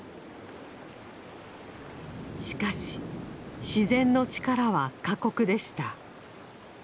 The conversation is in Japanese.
しかし自然の力は過酷でした。